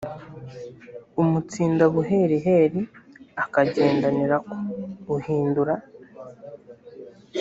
umutsinda buheriheri akagendenirako uhindura